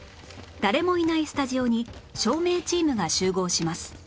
誰もいないスタジオに照明チームが集合します